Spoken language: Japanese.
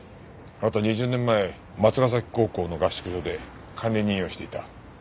２０年前松ヶ崎高校の合宿所で管理人をしていた。